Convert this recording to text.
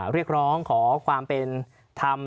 เรียกร้องขอความเป็นธรรม